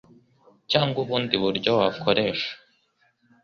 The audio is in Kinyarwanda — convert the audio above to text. cyangwa ubundi buryo wakoresha.